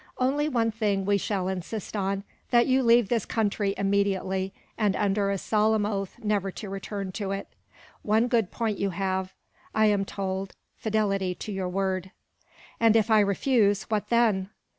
Only one thing we shall insist on, that you leave this country immediately, and under a solemn oath never to return to it. One good point you have, I am told fidelity to your word." "And if I refuse, what then?"